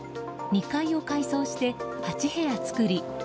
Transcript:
２階を改装して８部屋作り